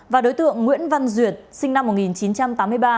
và đối tượng nguyễn văn duyệt sinh năm một nghìn chín trăm tám mươi ba